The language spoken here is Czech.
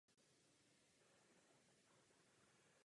Evropská rada potom rozhodne.